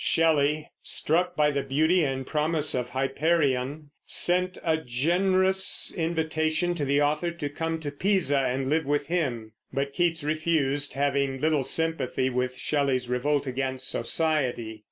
Shelley, struck by the beauty and promise of "Hyperion," sent a generous invitation to the author to come to Pisa and live with him; but Keats refused, having little sympathy with Shelley's revolt against society.